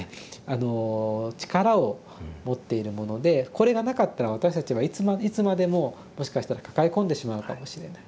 あの力を持っているものでこれがなかったら私たちはいつまでももしかしたら抱え込んでしまうかもしれない。